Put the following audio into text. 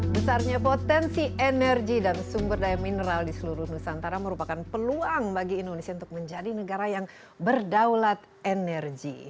besarnya potensi energi dan sumber daya mineral di seluruh nusantara merupakan peluang bagi indonesia untuk menjadi negara yang berdaulat energi